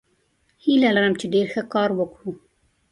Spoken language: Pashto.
هیله لرم چې ډیر ښه کار وکړو.